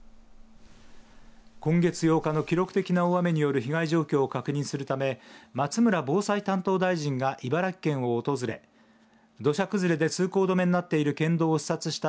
今月８日の記録的な大雨による被害状況を確認するため松村防災担当大臣が茨城県を訪れ土砂崩れで通行止めになっている県道を視察した